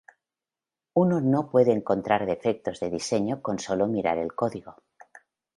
Uno no puede encontrar defectos de diseño con sólo mirar el código.